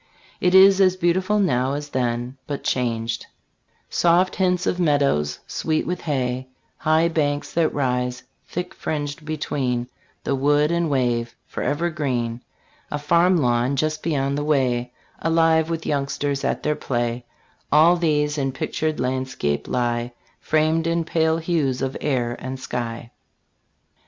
It is as beautiful now as then, but changed, " Soft hints of meadows, sweet with hay; High banks that rise, thick fringed, between The wood and wave, forever green; A farm lawn, just beyond the way, Alive with youngsters at their play: All these in pictured landscape lie, Framed in pale hues of air and sky."